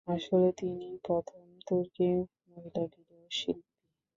আসলে তিনিই প্রথম তুর্কি মহিলা ভিডিও শিল্পী।